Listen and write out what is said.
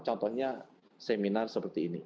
contohnya seminar seperti ini